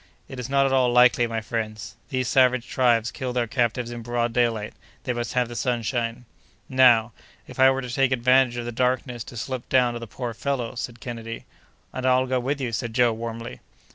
"It is not at all likely, my friends. These savage tribes kill their captives in broad daylight; they must have the sunshine." "Now, if I were to take advantage of the darkness to slip down to the poor fellow?" said Kennedy. "And I'll go with you," said Joe, warmly.